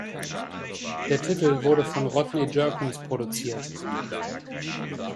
Der Titel wurde von Rodney Jerkins produziert.